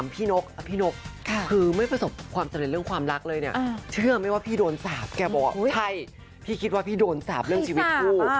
พี่นกคือไม่ประสบความสำเร็จเรื่องความรักเลยเนี่ยเชื่อไหมว่าพี่โดนสาปแกบอกว่าใช่พี่คิดว่าพี่โดนสาปเรื่องชีวิตคู่